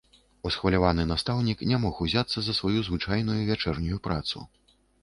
Усхваляваны настаўнік не мог узяцца за сваю звычайную вячэрнюю працу.